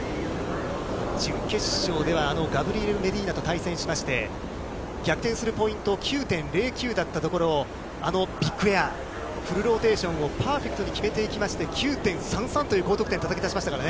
準決勝ではあのガブリエル・メディーナと対戦しまして、逆転するポイントを９．０９だったところを、あのビッグエアー、フルローテンションをパーフェクトに決めていきまして、９．３３という高得点たたき出しましたからね。